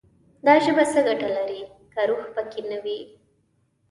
دا ژبه څه ګټه لري، که روح پکې نه وي»